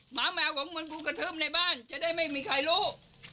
หมาแมวของมึงกูกระทืบในบ้านจะได้ไม่มีใครรู้